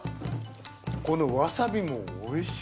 このわさびも美味しい！